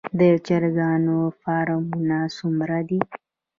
د چرګانو فارمونه څومره دي؟